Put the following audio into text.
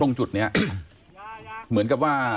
ตรงจุดนี้เหมือนกับว่า